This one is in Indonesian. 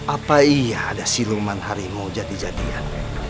apa iya ada siluman hari mau jadi jadian